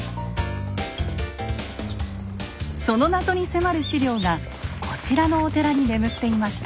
その謎に迫る史料がこちらのお寺に眠っていました。